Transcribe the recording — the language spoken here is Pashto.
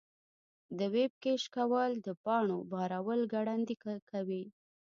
د ویب کیش کول د پاڼو بارول ګړندي کوي.